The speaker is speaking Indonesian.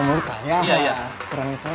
gimana kalau kita berdua nyari